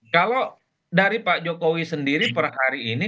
kalau dari pak jokowi sendiri per hari ini